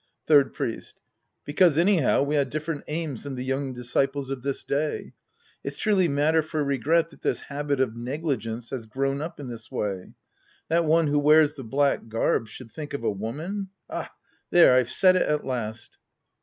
Third Priest. Because, anyhow, we had different aims than the young disciples of this day. It's truly matter for regret that this habit of negligence has grown up in this way. That one who wears the black garb should think of a woman, — ah, there I've said it at last.